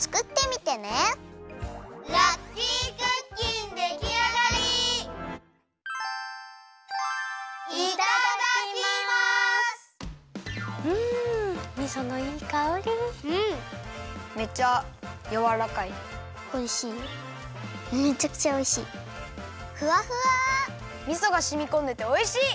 みそがしみこんでておいしい！